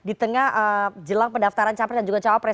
di tengah jelang pendaftaran capres dan juga cawapres